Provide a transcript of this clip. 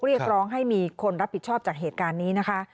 เรียกร้องให้มีคนรับผิดชอบจากเหตุการณ์นี้นะคะ